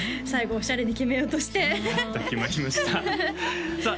オシャレに決めようとして決まりましたさあ